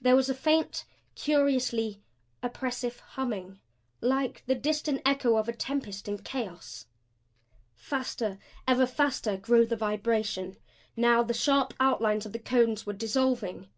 There was a faint, curiously oppressive humming like the distant echo of a tempest in chaos. Faster, ever faster grew the vibration. Now the sharp outlines of the cones were dissolving.